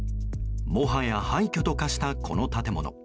もはや廃虚と化した、この建物。